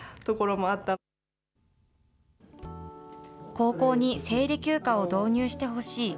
高校に生理休暇を導入してほしい。